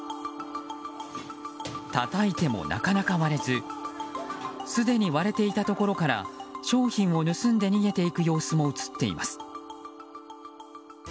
たたいても、なかなか割れずすでに割れていたところから商品を盗んで逃げていく様子も映っています。